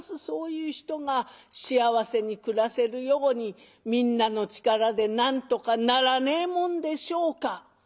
そういう人が幸せに暮らせるようにみんなの力でなんとかならねえもんでしょうか？」。